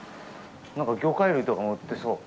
魚介類とかも売ってそう。